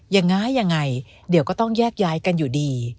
ยังไงยังไงเดี๋ยวก็ต้องแยกย้ายกันอยู่ดี